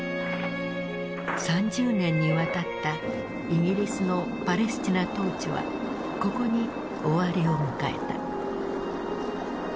３０年にわたったイギリスのパレスチナ統治はここに終わりを迎えた。